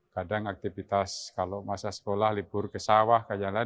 kadang aktivitas kalau masa sekolah libur kesawah kajalan